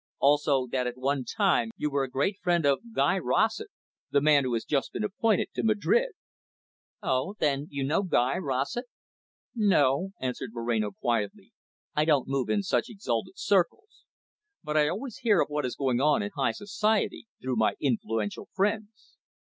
Also that at one time, you were a great friend of Guy Rossett, the man who has just been appointed to Madrid." "Oh, then you know Guy Rossett?" "No," answered Moreno quietly. "I don't move in such exalted circles. But I always hear of what is going on in high society, through my influential friends."